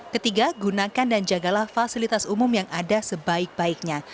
ketiga gunakan dan jagalah fasilitas umum yang ada sebaik baiknya